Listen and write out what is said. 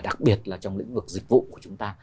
đặc biệt là trong lĩnh vực dịch vụ của chúng ta